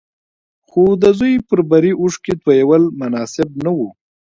خو د زوی پر بري اوښکې تويول مناسب نه وو.